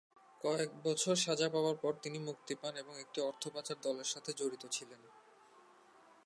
কয়েক বছর সাজা পাবার পর তিনি মুক্তি পান, এবং একটি অর্থ পাচার দলের সাথে জড়িত ছিলেন।